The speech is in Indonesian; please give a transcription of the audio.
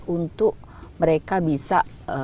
untuk mereka bisa